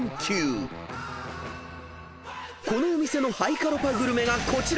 ［このお店のハイカロパグルメがこちら］